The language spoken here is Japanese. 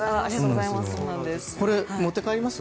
これ、持って帰ります？